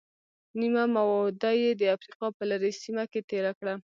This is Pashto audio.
نیمه موده یې د افریقا په لرې سیمه کې تېره کړه.